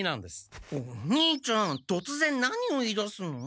お兄ちゃんとつぜん何を言いだすの？